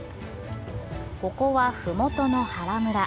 ここはふもとの原村。